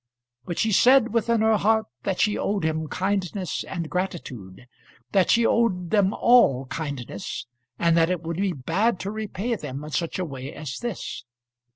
But she said within her heart that she owed him kindness and gratitude that she owed them all kindness, and that it would be bad to repay them in such a way as this.